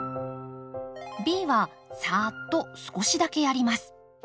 Ｂはさっと少しだけやります。